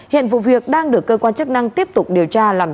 hiện vụ việc đang được cơ quan chức năng tiếp tục điều tra